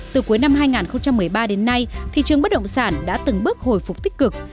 từ cuối năm hai nghìn một mươi ba đến nay thị trường bất động sản đã từng bước hồi phục tích cực